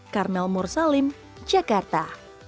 karmel mursalim jakarta